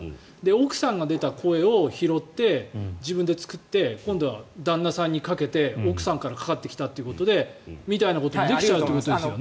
奥さんが出た声を拾って自分で作って今度は旦那さんにかけて奥さんからかかってきたということでみたいなこともできちゃうということですよね。